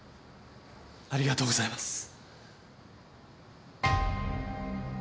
ありがとうございます。